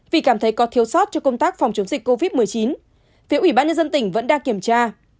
vì cảm thấy có thiếu sót cho công tác phòng chống dịch covid một mươi chín vì ubnd vẫn đang kiểm tra